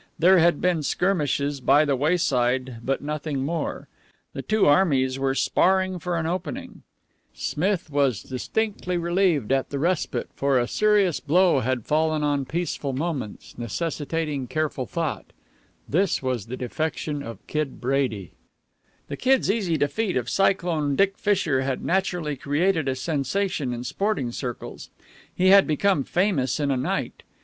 There had been skirmishes by the wayside, but nothing more. The two armies were sparring for an opening. Smith was distinctly relieved at the respite, for necessitating careful thought. This was the defection of Kid Brady. The Kid's easy defeat of Cyclone Dick Fisher had naturally created a sensation in sporting circles. He had become famous in a night.